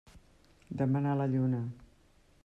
Demanar la lluna.